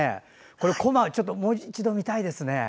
こま、もう一度見たいですね。